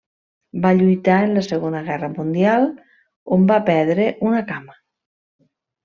Va lluitar en la Segona Guerra Mundial, on va perdre una cama.